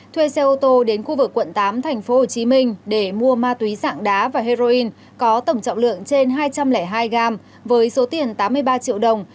thuê xe ô tô đến khu vực quận tám thành phố hồ chí minh để mua ma túy dạng đá và heroin có tổng trọng lượng trên hai trăm linh hai gram với số tiền tám mươi ba triệu đồng